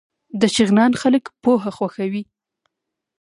د شغنان خلک پوهه خوښوي